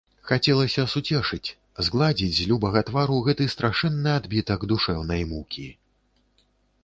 Хацелася суцешыць, згладзіць з любага твару гэты страшэнны адбітак душэўнай мукі.